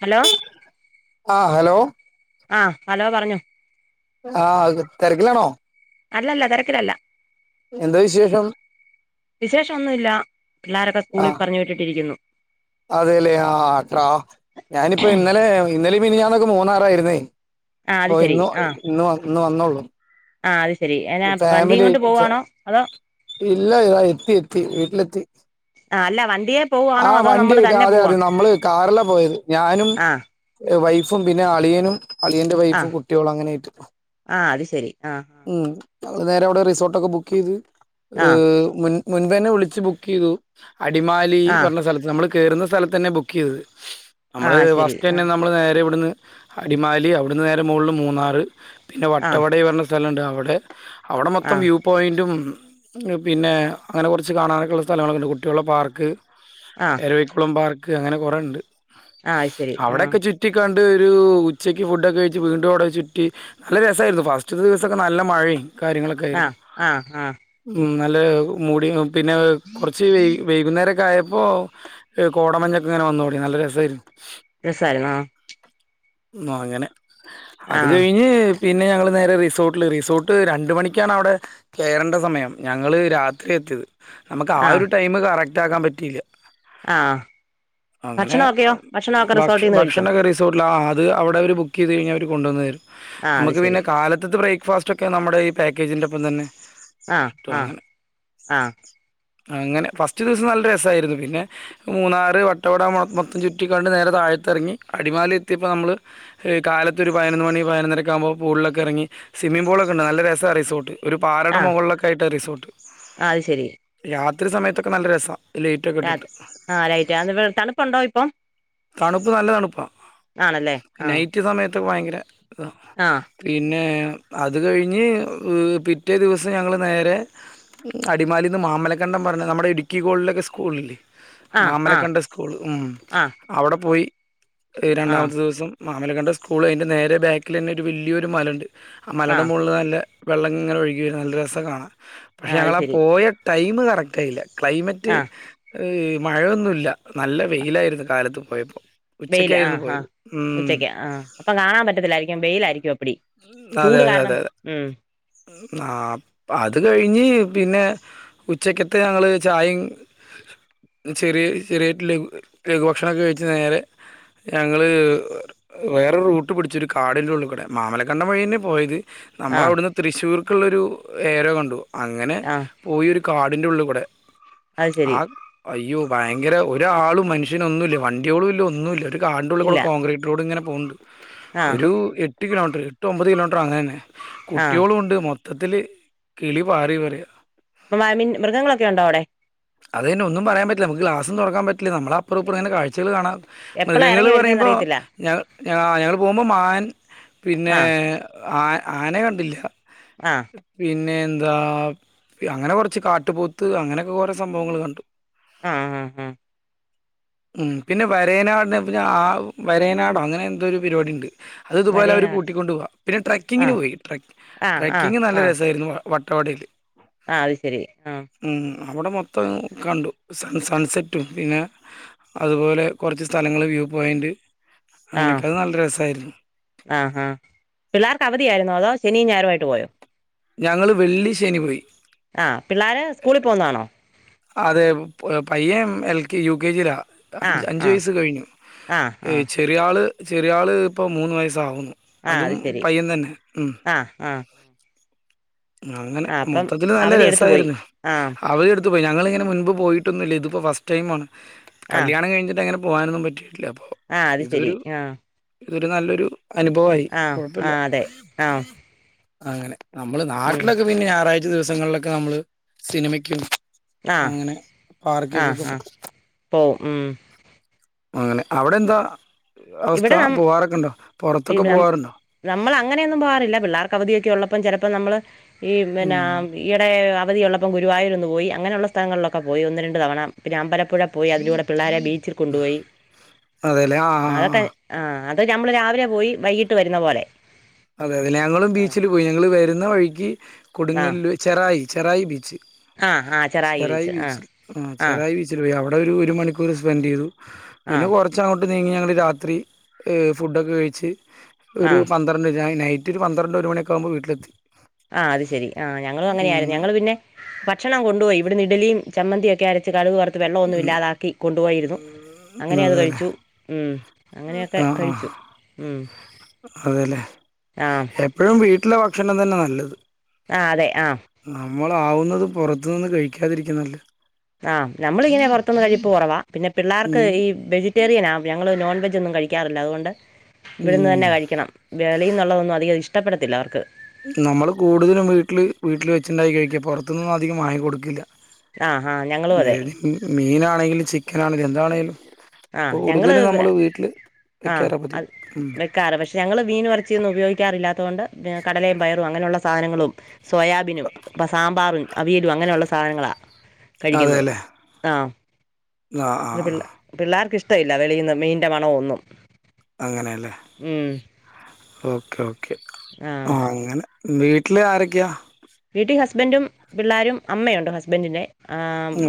Hello. ആഹ്, hello. ആഹ്, hello പർഞ്ഞോ. ആഹ്, തെരക്ക്ലാണോ? അല്ല ല്ല, തെരക്കില ല്ല. എന്താ വിശേഷം. വിശേഷം ഒന്നുല്ല. പിള്ളാരൊക്കെ സ്കൂളിൽ പറഞ്ഞു വിട്ടിട്ടി രിക്കുന്നു. അതേലേ, ആഹ്, ട്രാ ഞാനിപ്പോ ഇന്നലെ, ഇന്നലെയും മിനിഞ്ഞാനൊക്കെ മൂന്നാറായിര് ന്നേ. ആ അത് അപ്പൊ ശരി ഇന്ന്, ഇന്ന്, ഇന്ന് വന്നൊള്ളൂ. ആഹ്, അത് ശരി. എങ്ങനാ വണ്ടിയും കൊണ്ട് ആയിട്ട് പോവാണോ, അതോ? ഇല്ല ഇതാ എത്തി എത്തി വീട്ടിലെത്തി ആഹ് അല്ല വണ്ടിയെ പോവാണോ ആഹ് അതോ നമ്മൾ വണ്ടിയേറ്റ് തന്നെ അതെ പോവാ അതെ നമ്മള് കാറിലാ പോയത് ഞാനും ആ വൈഫും പിന്നെ അളിയനും അളിയന്റെ ആ വൈഫും കുട്ട്യളും അങ്ങനെ ആയിട്ട് ആ അത് ശരി ആ ഉം ഞങ്ങൾ നേരെ അവിടെ റിസോർട്ടൊക്കെ ബുക്ക് ചെയ്ത് ആ മുൻ മുൻമ്പെന്നെ വിളിച്ച് ബുക്കെയ്തു അടിമാലി ന്ന് ആ പറഞ്ഞ സ്ഥലത്ത് നമ്മള് കേറുന്ന സ്ഥലത്ത് തന്നെ ബുക്ക് ചെയ്തത് ആ നമ്മള് ശരി ഫസ്റ്റ് ആ തന്നെ നമ്മള് നേരെ ഇവിടുന്ന് അടിമാലി അവിടുന്ന് നേരെ മോളിൽ മൂന്നാറ് പിന്നെ ആ വട്ടവട പറഞ്ഞ സ്ഥലണ്ട് അവിടെ അവിടെ മൊത്തം ആ വ്യൂ പോയന്റും പിന്നെ അങ്ങനെ കൊറച്ച് കാണാനൊക്കെള്ള സ്ഥലങ്ങളൊക്കെണ്ട് പിന്നെ കുട്ട്യളെ പാർക്ക് ആ എരവിക്കുളം പാർക്ക് അങ്ങനെ കൊറേണ്ട് ആ ശരി ആ അവിടൊക്കെ ചു ചുറ്റി കണ്ട് ഒരു ഉച്ചയ്ക്ക് ഫുഡൊക്കെ കഴിച്ച് വീണ്ടും അവിടെ ചുറ്റി നല്ല രസായിരുന്നു ഫസ്റ്റ്ത്തെ ദിവസൊക്കെ നല്ല മഴിം കാര്യങ്ങളൊക്കെ ആ ആയിരുന്നു ആ ആ ഉം നല്ല മൂടിങ്ങും പിന്നെ കൊറച്ച് വൈ വൈകുന്നേരൊക്കായ ഇപ്പൊ കോടമഞ്ഞൊക്കെ ഇങ്ങനെ വന്നൊടങ്ങി നല്ല രസായിരുന്നു രസായിരുന്നോ ആഹ് അങ്ങനെ ആ അത് കഴിഞ്ഞ് പിന്നെ ഞങ്ങള് നേരെ റിസോർട്ടിൽ റിസോർട്ട് രണ്ട് മണിക്കാണ് അവിടെ കേറണ്ട സമയം ഞങ്ങള് രാത്രിയാ എത്തിയത് നമക്ക് ആ ഒരു ടൈമ് കറക്റ്റ് ആക്കാൻ പറ്റിയില്ല ആഹ് അങ്ങനെ ഭക്ഷണ ഒക്കെയോ ഭക്ഷണൊക്കെ റിസോർട്ടീന്ന് കഴിച്ചോ റിസോട്ടില് ആ അത് അവിടെ അവര് ബുക്ക് ചെയ്ത് കഴിഞ്ഞാൽ അവര് കൊണ്ടന്ന് തരും ആ അത് നമക്ക് ശരി പിന്നെ കാല്ത്ത്ത്തെ ബ്രേക്ക്ഫാ റ്റൊക്കെ നമ്മടെ ഈ പാക്കേജിന്റെ ഒപ്പം തന്നെ ആ കിട്ടും ആ അങ്ങനെ ആ അങ്ങനെ ഫസ്റ്റ് ദിവസം നല്ല രസായിരുന്നു പിന്നെ മൂന്നാറ് വട്ടവട മൊത്തം ചുറ്റി കണ്ട് നേരെ താഴത്തെറങ്ങി അടിമാലി എത്തിയപ്പം നമ്മള് കാലത്ത് ഒരു പതിനൊന്ന് മണി പതിനൊരൊക്കെ ആകുമ്പം പൂൾളൊക്കെ എറങ്ങി സ്വിമ്മിംഗ് പൂളൊക്കെ ഇണ്ട് നല്ല രസാ ആ റിസോർട്ട് ഒരു പാറയുടെ ആ മൊകൾളൊക്കെ ആയിട്ടാ റിസോർട്ട് അത് ശരി രാത്രി സമയത്തൊക്കെ നല്ല രസാ ലൈ അതെ ആ ലൈറ്റ് അതുപോലെ തണുപ്പുണ്ടോ ഇപ്പം തണുപ്പ് നല്ല തണുപ്പാ ആണല്ലേ ആ നൈറ്റ് സമയത്തൊക്കെ ഭയങ്കര ഇതാ ആ പിന്നെ അത് കഴിഞ്ഞ് പിറ്റേ ദിവസം ഞങ്ങള് നേരെ അടിമാലിന്ന് മാമലക്കണ്ടം പറഞ്ഞ് നമ്മടെ ഇടുക്കി ഗോൾഡിലൊക്കെ സ്കൂളില്ലേ ആ ആ മാമലക്കണ്ടം സ്കൂൾ ഉം ആ അവടെ പോയി ആ രണ്ടാമത്തെ ദിവസം മാമലകണ്ടം സ്കൂള് അയിൻ്റെ നേരെ ബാക്കിലെന്നെ ഒരു വല്ലിയൊരു മലണ്ട് ആ മലേടെ മോളില് നല്ല വെള്ളം ഇങ്ങനെ ഒഴുകി വരും നല്ല രസാ കാണാൻ പക്ഷേ അത് ഞങ്ങളാ ശരി പോയ ടൈമ് കറക്റ്റായില്ല ക്ലൈമറ്റ് ആ മഴൊന്നുല്ല നല്ല വെയിലായിരുന്നു കാലത്ത് പോയപ്പോ വെയില് ആഹ് ആഹ് ഉച്ചക്ക് ആഹ് അപ്പം കാണാൻ പറ്റത്തില്ലായിരിക്കും വെയിലായിരിക്കും അപ്പടി അതെ ചൂട് അതെ കാരണം അതെ ഉം ആഹ് അത് കഴിഞ്ഞ് പിന്നെ ഉച്ചക്ക് ഒക്കെ ഞങ്ങള് ചായേം ചെറിയ ചെറിയ ഇട്ലീം ലഘുഭക്ഷണൊക്കെ കയിച്ച് നേരെ ഞങ്ങള് വേറൊരു റൂട്ട് പിടിച്ചു ഒരു കാടിൻ്റെ ഉള്ളി കൂടെ മാമല ക്കണ്ടം വഴിയന്നെ പോയത് ആ നമ്മള് അവിട്ന്ന് തൃശ്ശൂർക്കുള്ളൊരു ഏരോ കണ്ടു അങ്ങനെ ആ പോയി ഒരു കാടിന്റെ ഉള്ളി കൂടെ അത് ശരി ആഹ് അയ്യോ ഭയങ്കര ഒരാളും മനുഷ്യനൊന്നുല്ല വണ്ടിയോളുല്ല ഒന്നുല്ല കാടിന്റുള്ളികൂടെ ഇല്ല കോൺക്രീറ്റ് റോഡ്ങ്ങനെ പോണ്ട് ആ ഒരു എട്ട് കിലോമീറ്റർ എട്ട് ഒമ്പത് കിലോമീറ്റർ അങ്ങനെന്നെ ആ കുട്ടിയോളുണ്ട് മൊത്തത്തില് കിളി പാറി പറയാ [unintelligible] മൃഗങ്ങളൊക്കെ ഇണ്ടോ അവിടെ അതെന്നെ ഒന്നും പറയാൻ പറ്റില്ല നമ്മക്ക് ഗ്ലാസ്സും തൊറക്കാൻ പറ്റില്ല നമ്മള് അപ്പറും ഇപ്പറം ഇങ്ങനെ കാഴ്‌ച്ചകള് കാണാം എപ്പളാ ഇറങ്ങി മൃഗങ്ങള് വരുന്നേന്ന് പറയുമ്പോ അറിയത്തില്ല ഞ ആഹ് ഞങ്ങള് പോകുമ്പോ മാൻ പിന്നെ ആ ആ ആനെ കണ്ടില്ല ആഹ് പിന്നെ എന്താ അങ്ങനെ കൊറച്ച് കാട്ട് പോത്ത് അങ്ങനൊക്കെ കൊറേ സംഭവങ്ങള് കണ്ടു ആ ആ ആ ഉം പിന്നെ വരയനാടിനെ പിന്നെ ആ വരയനാടോ അങ്ങനെന്തോ ഒരു പരിപാടിണ്ട് അത് ഇതുപോലെ അവര് വരേനാട് കൂട്ടിക്കൊണ്ട് പോവ പിന്നെ ആ ട്രക്കിങ്ങിന് പോയി ട്ര ആ ആ ട്രക്കിങ്ങ് നല്ല രസായിരുന്നു വ വട്ടവടേല് ആഹ് അത് ശരി ആഹ് ഉം അവടെ മൊത്തം കണ്ടു സൺ സൺസെറ്റും പിന്നെ അതുപോലെ കൊറച്ച് സ്ഥലങ്ങള് വ്യൂ പോയിന്റ് അങ്ങനെയൊക്കെ അത് നല്ല രസായിരുന്നു ആഹ് ആഹ് പിള്ളേർക്ക് അവധിയായിരുന്നോ അതോ ശനിയും ഞായറായിട്ട് പോയോ ഞങ്ങള് വെള്ളി ശനി പോയി ആഹ് പിള്ളേര് സ്കൂളി പോവ്ന്നാണോ അതെ പയ്യൻ എൽകെ യുകെജിലാ ആ അഞ്ച് അഞ്ച് ആ വയസ്സ് കഴിഞ്ഞു ആ ആ ചെറിയാള് ചെറിയാള് ഇപ്പൊ മൂന്ന് വയസ്സാവ്ന്നു ആ അതും അത് ശരി പയ്യൻ തന്നെ ഉം ആ ആ അങ്ങനെ ആ അപ്പം മൊത്തത്തില് നല്ല അവധി എടുത്തു പോയി രസായിര്ന്ന് ആ അവര്ട് ത്ത് പോയി ഞങ്ങളിങ്ങനെ മുൻപ് പോയിട്ടൊന്നുല്ല ഇതിപ്പോ ഫസ്റ്റ് ടൈമാണ് കല്യാണം കഴിഞ്ഞിട്ട് അങ്ങനെ പോവാനൊന്നും പറ്റിട്ടില്ല അപ്പോ ആഹ് അത് ശരി ആഹ് ഒരു നല്ലൊരു അനുഭവായി ആ കൊഴപ്പല്ല അതെ ആ അങ്ങനെ നമ്മള് ഉം നാട്ടിലൊക്കെ പിന്നെ ഞായറായ്ച്ച ദിവസങ്ങളിലൊക്കെ നമ്മള് സിനിമക്കും ആ അങ്ങനെ ആ പാർക്കിക്കൊക്കെ ആ പോവും പോവും ഉം. അങ്ങനെ അവിടെന്താ അവസ്ഥ ഇവിടെ നം പോവാറൊക്കെ ഇണ്ടോ പൊറത്തൊക്കെ പോവാറ്ണ്ടോ നമ്മള് അങ്ങനെയൊന്നും പോവാറില്ല പിള്ളേർക്ക് അവധിയൊക്കെ ഉള്ളപ്പം ചെലപ്പോ നമ്മള് ഈ പിന്നെ ഉം ഈയിടെ അവധിയുള്ളപ്പം ഗുരുവായൂര് ഒന്ന് പോയി അങ്ങനെയുള്ള സ്ഥലങ്ങളിലൊക്കെ പോയി ഒന്ന് രണ്ട് തവണ പിന്നെ അമ്പലപ്പുഴ പോയി അതിലൂടെ പിള്ളാരെ ബീച്ചിൽ കൊണ്ടോയി അതെലേ ആഹ് അതൊക്കെ ആഹ് അത് ഞമ്മള് രാവിലെ പോയി വൈകീട്ട് വരുന്ന പോലെ അതെ അതെ ഞങ്ങളും ആ ബീച്ചിൽ പോയി ഞങ്ങള് വരുന്ന വഴിക്ക് ആഹ് കൊടുങ്ങല്ല് ചെറായി ചെറായി ബീച്ച് ആഹ് ആഹ് ചെറായി ഒഴിച്ച് ആഹ് ബീച്ച് ആഹ് ചെറായി ബീ ച്ചില് പോയി അവിടൊരു ഒര് മണിക്കൂർ സ്പെന്റെയ്തു പിന്നെ ആഹ് കൊറ കൊറച്ച് അങ്ങോട്ട് നീങ്ങി ഞങ്ങള് രാത്രി ഏ ഫുഡൊക്കെ കഴിച്ച് ഒരു ആഹ് പന്ത്ര [unintelligible] ആഹ് നൈറ്റ് ഒരു പന്ത്രണ്ട് ഒരു മണി ആകുമ്പോ വീട്ടിലെത്തി ആഹ് അത് ശരി ആഹ് ഞങ്ങളും അങ്ങനെയായിര്ന്ന് ഉം ഞങ്ങള് പിന്നെ ഭക്ഷണം കൊണ്ട് പോയി ഇവിട്ന്ന് ഇഡ്ഡ്ലിം ചമ്മന്തിയൊക്കെ അരച്ച് കടുക് വറ് ത്ത് വെള്ളം ഒന്നും ഉം ഇല്ലാതാക്കി കൊണ്ടു പോയിര്ന്നു ഉം അങ്ങനെ അത് അതെല്ലേ കഴിച്ചു ഉം അങ്ങനെയൊക്കെ കഴിച്ചു ഉം അതെലേ ആഹ് എപ്പഴും വീട്ടിലെ ഭക്ഷണം തന്നെ നല്ലത് ആഹ് അതെ ആഹ് നമ്മള് ആവുന്നതും പൊറത്ത്ന്ന് കഴിക്കാതിരിക്കുന്നതാ നല്ലെ ആഹ് നമ്മളിങ്ങനെ പൊറത്തുന്ന് കഴിപ്പ് കൊറവാ പിന്നെ പിള്ളേർക് ഈ വെജി റ്റെറിയനാ ഞങ്ങള് നോൺ വേജോന്നും ഒന്നും കഴിക്കാറില്ല അതുകൊണ്ട് ഇവിടുന്ന് തന്നെ കഴിക്കണം. വെളിന്ന് ഒള്ളതൊന്നും അധികം ഇഷ്ടപ്പെടത്തില്ല അവർക്ക് നമ്മള് കൂടുതലും വീട്ടില് വീട്ടില് വെച്ചിണ്ടായി കഴിക്കാ പൊറത്തുന്നും അധികം വാങ്ങി കൊടുക്കില്ല ആഹ് ആഹ് ഞങ്ങളും അതെ മീൻ ആണെങ്കിലും ചിക്കൻ ആണെങ്കിലും എന്താണേലും ആഹ് കൂടുതല് ഞങ്ങള് നമ്മള് വീട്ടില് വെക്കാറ പതിവ് ഉം ക്കാറ് പക്ഷേ ഞങ്ങള് മീനും എറച്ചിയൊന്നും ഉപയോഗിക്കാറില്ലാത്തോണ്ട് കടലേം പയറും അങ്ങനെയുള്ള സാധനങ്ങളും സോയാബീനും സാമ്പാറും അവിയലും അങ്ങനെയുള്ള സാധനങ്ങളാ കഴിക്കുന്നത് അതെല്ലേ ആഹ് ആഹ് ആഹ് ആഹ് പിള്ളേർക്ക് ഇഷ്ടവില്ല വെളിന്ന് മീന്റെ മണവോന്നും അങ്ങനെയല്ലേ ഓക്കെ ഓക്കെ ആ ആഹ് അങ്ങനെ വീട്ടില് ആരക്കെയാ? വീട്ടി ഹസ്ബൻഡും പിള്ളരും അമ്മയോണ്ട് ഹസ്ബൻഡിന്റെ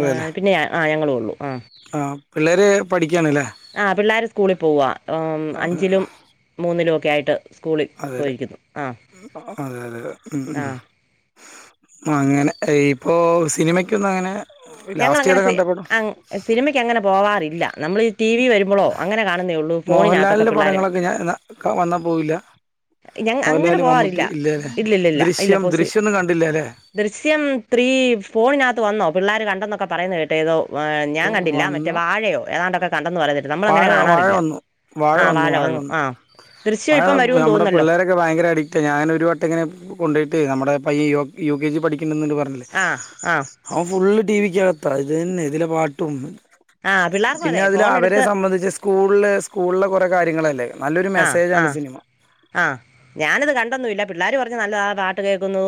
അതെല്ലേ പിന്നെ ഞാനും ആഹ് ഞങ്ങളു ഒള്ളൂ ആഹ് ആഹ് പിള്ളേര് പഠിക്കാണ്ല്ലേ? ആഹ് പിള്ളര് സ്കൂളിൽ പോവാ ആഹ് അഞ്ചിലും മൂന്നിലും ഒക്കെ ആയിട്ട് സ്കൂളിൽ അതെല്ലേ പോയിരിക്കുന്നു ആഹ് അതെ അതെ ഉം ഉം ആഹ് അങ്ങനെ ഇപ്പൊ സിനിമക്കൊന്നും അങ്ങനെ ലാസ്റ്റ് ഏതാ കണ്ടെ പടം സിനിമയ്ക്കങ്ങനെ പോവാറില്ല നമ്മളി ടി വി വരുമ്പോഴോ അങ്ങനെ കാണുന്നേ ഉള്ളൂ ഫോണിനത്തൊക്കെ പിള്ളര് പിന്നെ എന്നാ [unintelligible] വന്നാ പോവില്ല ഞ അങ്ങനെ മോഹൻലാല് പോവാറില്ല മമ്മൂട്ടി ഇല്ലെ ഇല്ലില്ലില്ല ഇല്ല ദൃശ്യം പോസി ദൃശ്യഒന്നും കണ്ടില്ലല്ലേ ദൃശ്യം ത്രീ ഫോണിനത്ത് വന്നോ പിള്ളര് കണ്ടെന്നൊക്കെ പറയുന്ന കേട്ട് ഏതോ ഞാൻ കണ്ടില്ല മറ്റേ വന്നു വാഴയോ ഏതാണ്ടൊക്കെ കണ്ടെന്ന് പറയുന്ന കേട്ട് നമ്മള വാഴ അങ്ങനെ വാഴ കാണാറില്ല വന്നു ആഹ് വാഴ വന്നു ആമ് ദൃശ്യം എപ്പം വരും നമ്മടെ പിള്ള ക്കെ ഭയങ്കര അഡിക്റ്റാ ഞാനൊരു വട്ടം ഇങ്ങനെ കൊണ്ടുപോയിട്ട് നമ്മടെ പയ്യൻ യു കെ ജി പഠിക്കണ [unintelligible] പറഞ്ഞില്ലേ ആഹ് ആഹ് അവൻ ഫുള്ള് ടിവിക്കത്താ ഇത് തന്നെ ഇതിലെ പാട്ടും ആ പിള്ളേർക്കും പിന്നെ അതെ അതില് അവരെ ഫോണെടുത്ത് സംബന്ധിച്ച് സ്കൂളില് സ്കൂളിലെ കൊറെ കാര്യങ്ങളല്ലേ നല്ലൊരു ആഹ് മെസ്സേജാണ് ആഹ് സിനിമ ആഹ് ഞാനത് കണ്ടൊന്നു ഇല്ല പിള്ളര് പറഞ്ഞ് നല്ലതാ പാട്ട് കേക്കുന്നു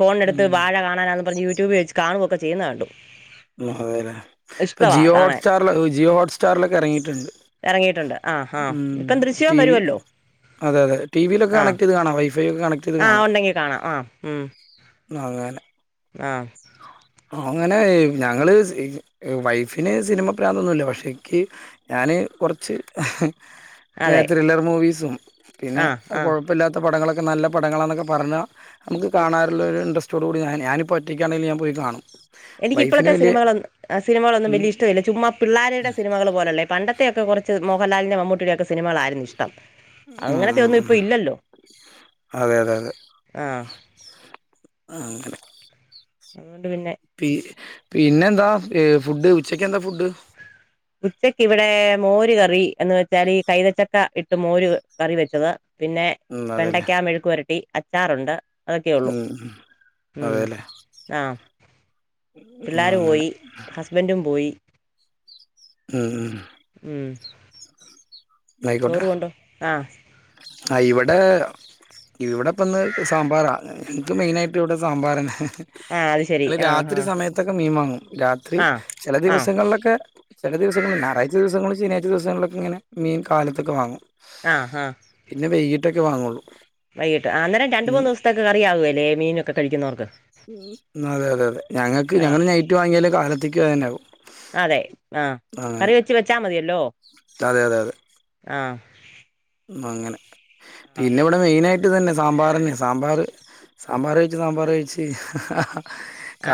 ഫോൺ എടുത്ത് ഉം വാഴ കാണാനാന്ന് പറഞ്ഞ് യൂട്യൂബിൽ വെച്ച് കാണുവോക്കെ ചെയ്യുന്ന കണ്ടു. അതെ അല്ലേ ഇപ്പൊ ഇഷ്ടവാ ജിയോ ഹോട്ട് കാണാൻ സ്റ്റാറില് ജിയോ ഹോട്ട്സ്റ്റാറിലൊക്കെ എറങ്ങിട്ട്ണ്ട് ഇറങ്ങിയിട്ടുണ്ട് ആ ആ ഉം ഇപ്പം ദൃശ്യവും ടി വി വരുമല്ലോ അതെ അതെ ടിവിലൊക്കെ കണക്ട് ചെയ്ത് കാണാം വൈ ഫിയൊക്കെ കണ ആഹ് ഒണ്ടെങ്കി കാണാം ആഹ് ഉം അങ്ങനെ ആമ് അങ്ങനെ ഞങ്ങള് വൈഫിന് സിനിമ പ്രാന്തൊന്നുവില്ല പക്ഷേ ഇക്ക് ഞാന് കൊറച്ച് അതെ ത്രില്ലർ മൂവീസും പിന്നെ ആ ആ കൊ ഇപ്പ ഇല്ലത്ത പടങ്ങളൊക്കെ നല്ല പടങ്ങളാന്നക്കെ പറഞ്ഞാ നമുക്ക് കാണാറുള്ള ഒരു ഇൻട്രസ്റ്റോടുകൂടി ഞാ ഞാനിപ്പോ ഒ ക്കാണെല് ഞാൻ പോയികാണും. എനിക്ക് ഇപ്പളത്തെ സിനിമകളോ സിനികളൊന്നും ഉം വല്ല്യ ഇഷ്ടല്ല ചുമ്മ പിള്ളേരുടെ സിനിമകൾ പോലല്ലേ പണ്ട ത്തെയൊക്കെ കൊറച്ച് മോഹൻലാലിന്റെ മമ്മൂട്ടിടെക്കെ സിനിമകളായിരുന്നു ഇഷ്ടം ഉം ഉം അങ്ങനെത്തെയൊന്നും ഉം ഇപ്പൊ ഇല്ലല്ലോ അതെ അതെ അതെ ആഹ് അങ്ങനെ അതുകൊണ്ട് പിന്നെ പി പിന്നെന്താ ഫുഡ് ഉച്ചക്ക് എന്താ ഫുഡ് ഉച്ചക്കിവിടെ മോര് കറി എന്ന് വെച്ചാല് ഈ കൈതച്ചക്ക ട്ട് മോര് കറി വെച്ചത് പിന്നെ ഉം അതെല്ലേ വെണ്ടയ്ക്കാ മെഴുക്ക് വരട്ടി, അച്ചാറുണ്ട് അതൊക്കെ ഒള്ളൂ ഉം ഉം ഉം അതെല്ലേ ആഹ് ഉം പിള്ളാര് അങ്ങനെ പോയി ഹസ്ബൻറും പോയി ഉംഹും ഉം ആയിക്കോട്ടെ ചോറ് കൊണ്ടോ ആഹ് ആഹ് ഇവിടെ ഇവിടെ ഇപ്പന്ന് സാമ്പാറാ എനിക്ക് മെയിനായിട്ട് ഇവിടെ സാമ്പാറന്നെ ആഹ് അത് ശരി ള് ആഹ് ആഹ് രാത്രിസമയത്തൊക്കെ മീൻ വാങ്ങും രാത്രി ആഹ് ചെല ആഹ് ദിവസങ്ങളിലൊക്കെ ചെല ദിവസങ്ങളിൽ ഞായറാഴ്ച ദിവസങ്ങളും ശനിയാഴ്ച ദിവസങ്ങളൊക്കെ ഇങ്ങനെ മീൻ കാലത്തൊക്കെ വാങ്ങും ആഹ് ആഹ് പിന്നെ വൈകിട്ടൊക്കെ വാങ്ങുള്ളൂ വൈകീട്ട് അന്നെരം രണ്ട് മൂന്ന് ദെവസത്തേക്ക് കറിയാവുകേല്ലേ മീനൊക്കെ കഴിക്കുന്നവർക്ക് ഉം അതെ അതെ അതെ ഞങ്ങക്ക് ആഹ് ഞങ്ങള് നൈറ്റ് വാങ്ങിയാലെ കാലത്തേക്ക് അതെന്നെ ആകും അതെ ആഹ് കറി വെച്ച് വെച്ചാ മതിയല്ലോ അതെ അതെ അതെ ആഹ് അങ്ങനെ ആഹ് പിന്നെ ഇവിടെ മെയിനായിട്ട് ഇതന്നെ സാമ്പാറന്നെ സാമ്പാറ് സാമ്പാറ് കഴിച്ച് സാമ്പാർ കഴിച്ച്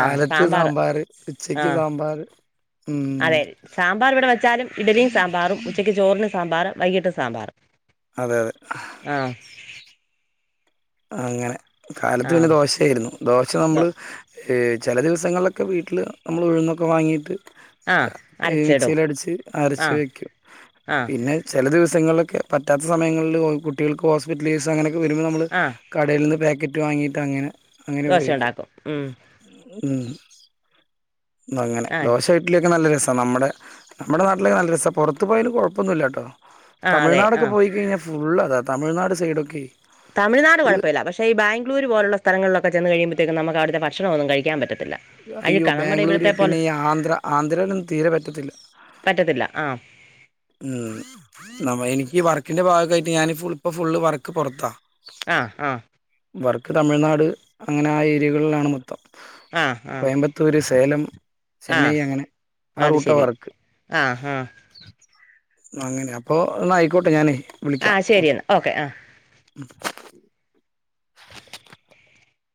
ആഹ് സാമ്പാർ സാമ്പാറ് ഉച്ചക്ക് ആഹ് സാമ്പാറ് ഉം അതെ സാമ്പാർ ഇവിടെ വെച്ചാലും ഇഡലിയും സാമ്പാറും ഉച്ചയ്ക്ക് ചോറിന് സാമ്പാർ വൈകിട്ട് സാമ്പാറ് അതെ അതെ ആഹ് അങ്ങനെ കാലത്ത് ആ പിന്നെ ദോശയായിരുന്നു ദോശ ദോ നമ്മള് ചെല ദിവസങ്ങളിലൊക്കെ വീട്ടില് നമ്മള് ഉഴുന്നൊക്കെ വാങ്ങിയിട്ട് ആ അരച്ചിടും മിക്സീലടിച്ച് ആ അരച്ച് വെക്കും ആ പിന്നെ ചില ദിവസങ്ങളിലൊക്കെ പറ്റാത്ത സമയങ്ങളില് കുട്ടികൾക്ക് ഹോസ്പിറ്റൽ കേസ് അങ്ങനെയൊക്കെ വരുമ്പോൾ നമ്മൾ ആ കടേൽ നിന്ന് പേക്കറ്റ് വാങ്ങിയിട്ട് അങ്ങനെ അങ്ങനെ ദോശ ഉപയോഗിക്കും ഉണ്ടാക്കും ഉം ഉം അങ്ങനെ ആ ദോശായി വീട്ടിലെക്കെ നല്ല രസാ നമ്മുടെ നമ്മുടെ നാട്ടിലേക്കെ നല്ല രസാ പൊറത്ത് പോയാലും കൊഴപ്പൊന്നുല്ല കേട്ടോ ആ അതെ ആ തമിഴ്നാടൊക്കെ പോയി കഴിഞ്ഞാ ഫുള്ളതാ തമിഴ്നാട് സൈഡൊക്കെ തമിഴ്നാട് ഫുള്ള് കൊഴപ്പല്ല പക്ഷെ പക്ഷെ ഈ ബാംഗ്ലൂര് പോലൊള്ള സ്ഥലങ്ങളിലൊക്കെ ചെന്ന് കഴിയുംപഴത്തേക്കും നമുക്കവിടുത്തെ ഭക്ഷണമൊന്നും കഴിക്കാൻ പറ്റത്തില്ല അയ്യോ അഴുക്കാ നമ്മുടെ ബാംഗ്ലൂര് ഇവിടുത്തെ പോലെ പിന്നെ ഈ ആന്ധ്ര ആന്ധ്രേലൊന്നും തീരെ പറ്റത്തില്ല പറ്റത്തില്ല ആഹ് ഉം നമ്മ എനിക്കീ വർക്കിന്റെ ഭാഗായിട്ട് ഞാന് ഫുള്ള് പ്പ ഫുള്ള് വർക്ക് പുറത്താ ആഹ് ആഹ് വർക്ക് തമിഴ്നാട് അങ്ങനെ ആ ഏരിയകളിലാണ് മൊത്തം ആ ആ കോയമ്പത്തൂര് സേലം ആ ചെന്നൈ അങ്ങനെ ആ റൂട്ടാ വർക്ക് ആഹ് ഹും അങ്ങനെ അപ്പൊ എന്നായിക്കോട്ടെ ഞാന് ആ വിളിക്കാം ശരി ഓക്കെ എന്നാൽ ആ ഉം